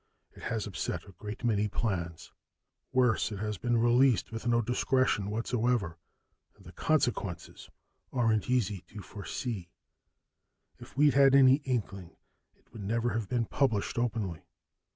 It has upset a great many plans. Worse, it has been released with no discretion whatsoever, and the consequences aren't easy to foresee. If we'd had any inkling, it would never have been published openly.